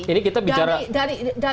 ini kita bicara